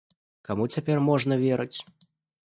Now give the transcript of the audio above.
Каму цяпер можна верыць?